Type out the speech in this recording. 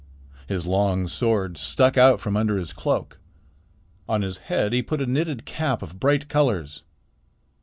His long sword stuck out from under his cloak. On his head he put a knitted cap of bright colors.